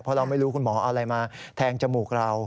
เพราะเราไม่รู้คุณหมอเอาอะไรมาแทงจมูกเรา